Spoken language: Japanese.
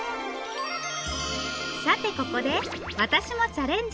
さてここで私もチャレンジ！